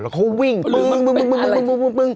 แล้วเขาวิ่งปึ้งปึ้งปึ้งปึ้ง